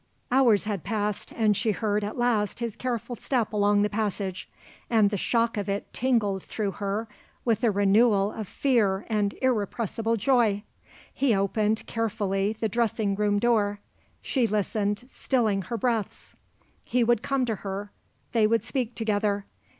Hours had passed and she heard at last his careful step along the passage, and the shock of it tingled through her with a renewal of fear and irrepressible joy. He opened, carefully, the dressing room door. She listened, stilling her breaths. He would come to her. They would speak together.